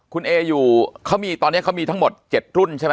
ขุนเออยู่ตอนนี้เขามีตอนนี้ก็มีทั้งหมด๗รุ่นใช่ไหม